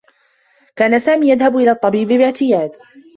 كان سامي يذهب إلى الطّبيب باعتياد.